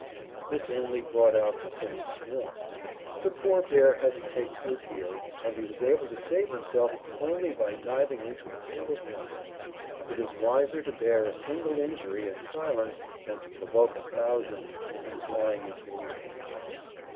But this only brought out the whole swarm. The poor Bear had to take to his heels, and he was able to save himself only by diving into a pool of water. _It is wiser to bear a single injury in silence than to provoke a thousand by flying into a rage.